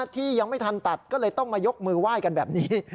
ที่ยังไม่ทันตัดก็เลยต้องมายกมือไหว้กันแบบนี้